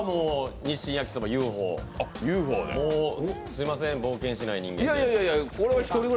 すいません、冒険しない人間で。